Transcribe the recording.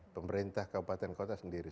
pemerintah kabupaten kota sendiri